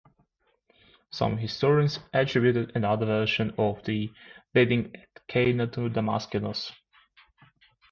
Some historians attributed another version of the "Wedding at Cana" to Damaskinos.